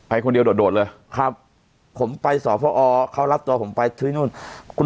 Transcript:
คนเดียวโดดโดดเลยครับผมไปสอบพอเขารับตัวผมไปที่นู่นคุณ